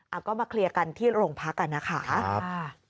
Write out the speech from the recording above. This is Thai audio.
เอาก็มาเคลียร์กันที่โรงพักษณ์กันนะคะค่ะครับ